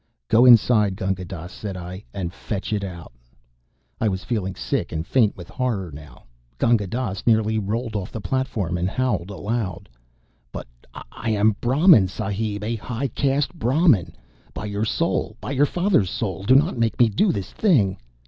"Go inside, Gunga Dass," said I, "and fetch it out." I was feeling sick and faint with horror now. Gunga Dass nearly rolled off the platform and howled aloud. "But I am Brahmin, Sahib a high caste Brahmin. By your soul, by your father's soul, do not make me do this thing!"